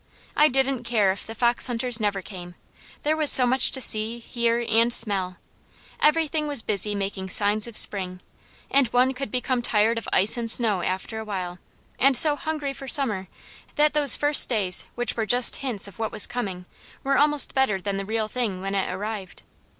I didn't care if the fox hunters never came, there was so much to see, hear, and smell. Everything was busy making signs of spring, and one could become tired of ice and snow after a while, and so hungry for summer that those first days which were just hints of what was coming were almost better than the real thing when it arrived.